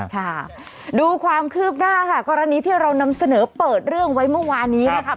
ค่ะดูความคืบหน้าค่ะกรณีที่เรานำเสนอเปิดเรื่องไว้เมื่อวานี้นะครับ